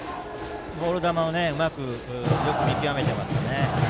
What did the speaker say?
ボール球をよく見極めていますね。